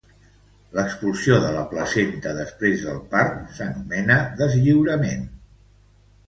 L'expulsió de la placenta després del part s'anomena deslliurament.